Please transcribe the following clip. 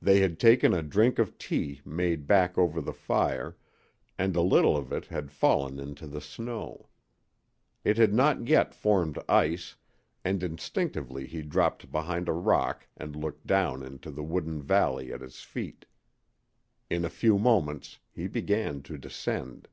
They had taken a drink of tea made back over the fire, and a little of it had fallen into the snow. It had not yet formed ice, and instinctively he dropped behind a rock and looked down into the wooded valley at his feet. In a few moments he began to descend.